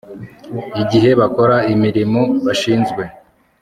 igihe bakora imirimo bashinzwe